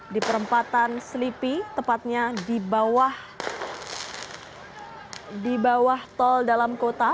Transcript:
di perempatan selipi tepatnya di bawah tol dalam kota